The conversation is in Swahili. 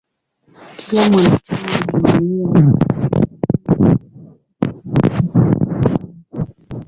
Kila mwanachama wa jumuiya alikuwa na mkono kwa kuchangia katika malezi ya mtoto.